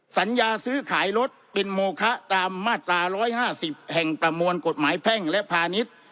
สัญญาซื้อขายรถเป็นโมคะตามมาตรา๑๕๐แห่งประมวลกฎหมายแพ่งและพาณิชย์